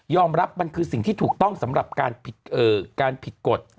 รับมันคือสิ่งที่ถูกต้องสำหรับการผิดกฎ